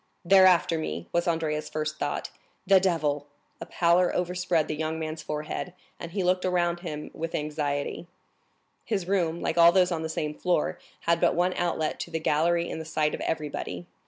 "They're after me!" was Andrea's first thought. "Diable!" A pallor overspread the young man's forehead, and he looked around him with anxiety. His room, like all those on the same floor, had but one outlet to the gallery in the sight of everybody.